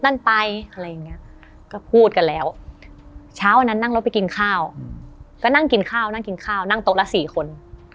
ห้ามแซลใช่เค้าไม่เหมือนเทพองค์อื่น